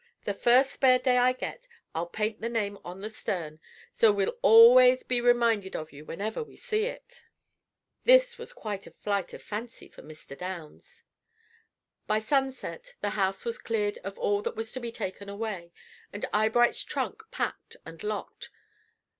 The first spare day I get, I'll paint the name on the stern, so's we'll always be reminded of you whenever we see it." This was quite a flight of fancy for Mr. Downs. By sunset the house was cleared of all that was to be taken away, and Eyebright's trunk packed and locked.